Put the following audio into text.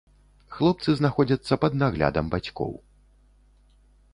Хлопцы знаходзяцца пад наглядам бацькоў.